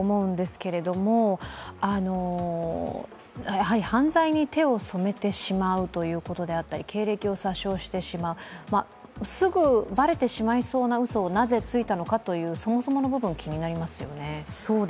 やはり、犯罪に手を染めてしまうということであったり経歴を詐称してしまうすぐばれてしまいそうなうそをなぜついたのかというそもそもの部分気になりますよね。